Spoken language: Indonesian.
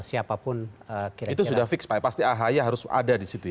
itu sudah fix pak pasti ahi harus ada di situ ya